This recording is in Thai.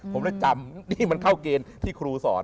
ผมเลยจำนี่มันเข้าเกณฑ์ที่ครูสอน